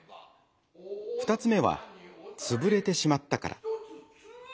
２つ目は潰れてしまったから。